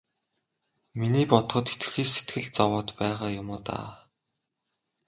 Миний бодоход хэтэрхий сэтгэл зовоод байгаа юм уу даа.